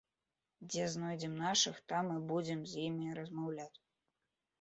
Дзе знойдзем нашых, там і будзем з імі размаўляць!